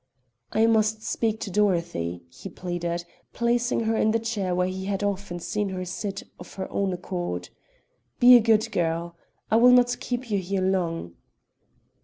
"I must speak to Dorothy," he pleaded, placing her in the chair where he had often seen her sit of her own accord. "Be a good girl; I will not keep you here long."